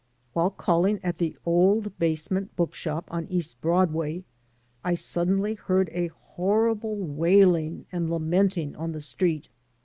While calling at the old basement bookshop on East Broadway I suddenly heard a horrible wailing and lamenting on the street.